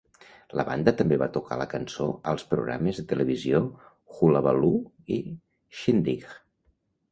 La banda també va tocar la cançó als programes de televisió "Hullabaloo" i "Shindig!